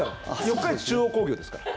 四日市中央工業ですから。